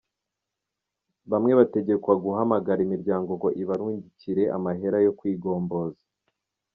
Bamwe bategekwa guhamagara imiryango ngo ibarungikire amahera yo kwigomboza.